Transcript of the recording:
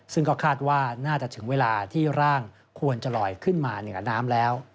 ซึ่งก็คาดว่าน่าจะถึงเวลาที่ร่างควรจะลอยขึ้นมาเหนือน้ำแล้ว